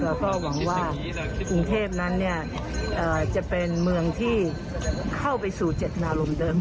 เราก็หวังว่ากรุงเทพนั้นจะเป็นเมืองที่เข้าไปสู่เจตนารมณ์เดิม